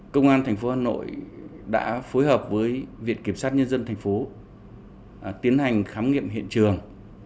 công an tp hà nội đã phối hợp với viện kiểm sát nhân dân thành phố tiến hành khám nghiệm hiện trường